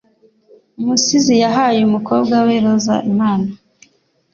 Umusizi yahaye umukobwa we roza impano